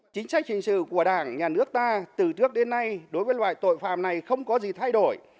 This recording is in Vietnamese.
chính sách hình sự của đảng nhà nước ta từ trước đến nay đối với loại tội phạm này không có gì thay đổi